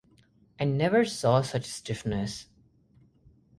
I never saw such stiffness.